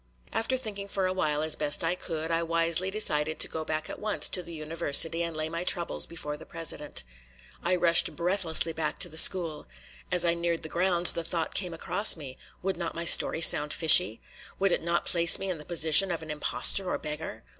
After thinking for a while as best I could, I wisely decided to go at once back to the University and lay my troubles before the president. I rushed breathlessly back to the school. As I neared the grounds, the thought came across me, would not my story sound fishy? Would it not place me in the position of an impostor or beggar?